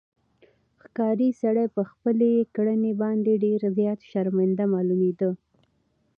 ښکاري سړی په خپلې کړنې باندې ډېر زیات شرمنده معلومېده.